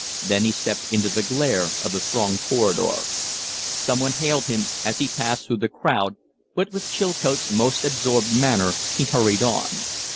Then he stepped into the glare of the thronged corridor. Some one hailed him as he passed through the crowd, but with Chilcote's most absorbed manner he hurried on.